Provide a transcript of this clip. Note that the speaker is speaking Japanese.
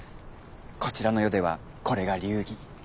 こちらの世ではこれが流儀。